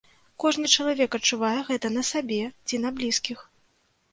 Кожны чалавек адчувае гэта на сабе ці на блізкіх.